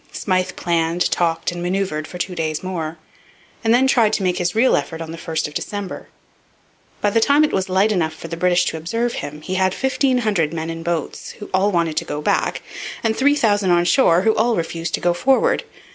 Smyth planned, talked, and manoeuvred for two days more, and then tried to make his real effort on the 1st of December. By the time it was light enough for the British to observe him he had fifteen hundred men in boats, who all wanted to go back, and three thousand on shore, who all refused to go forward.